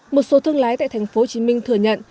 một số thương lái tại tp hcm thừa nhận